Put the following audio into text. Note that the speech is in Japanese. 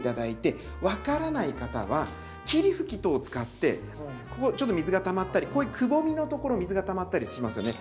分からない方は霧吹き等を使ってここちょっと水がたまったりこういうくぼみのところ水がたまったりしますよね。